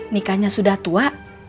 nikahnya sudah tua